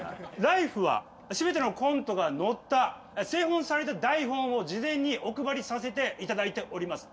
「ＬＩＦＥ！」はすべてのコントが載った製本された台本を事前にお配りさせていただいております。